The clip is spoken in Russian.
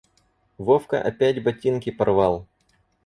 Вовка опять ботинки порвал.